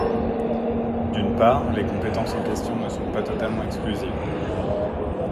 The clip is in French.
D’une part, les compétences en question ne sont pas totalement exclusives.